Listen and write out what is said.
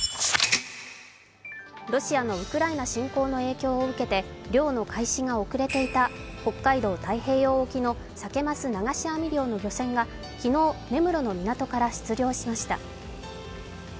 ロシアのウクライナ侵攻の影響を受けて漁の開始が遅れていた北海道太平洋沖のサケ・マス流し網漁の漁船が昨日、根室の港から出漁しました。